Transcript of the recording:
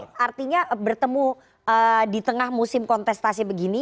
oke artinya bertemu di tengah musim kontestasi begini